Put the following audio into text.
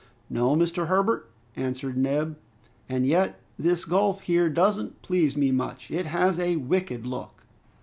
"No, Mr. Herbert," answered Neb, "and yet this gulf here doesn't please me much! It has a wicked look!"